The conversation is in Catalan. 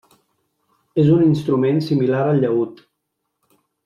És un instrument similar al llaüt.